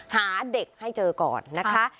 หาเด็กให้เจอก่อนนะคะ